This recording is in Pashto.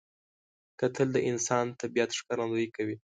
کتل د انسان د طبیعت ښکارندویي کوي